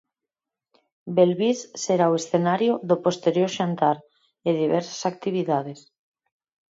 Belvís será o escenario do posterior xantar e diversas actividades.